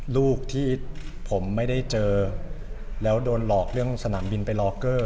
ลูกที่ผมไม่ได้เจอแล้วโดนหลอกเรื่องสนามบินไปลอกเกอร์